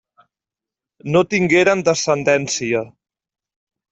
No tingueren descendència.